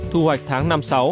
thu hoạch tháng năm mươi sáu